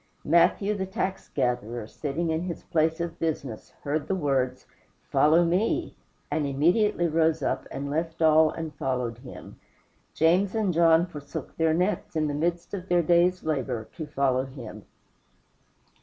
Matthew, the tax gatherer, sitting in his place of business, heard the words, "Follow me," and immediately rose up, and left all and followed him. James and John forsook their nets, in the midst of their day's labor, to follow him.